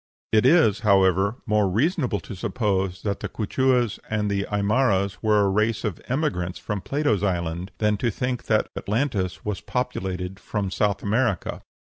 It is, however, more reasonable to suppose that the Quichuas and Aimaras were a race of emigrants from Plato's island than to think that Atlantis was populated from South America.